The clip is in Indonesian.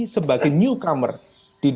tentang kekuatan yang terdiri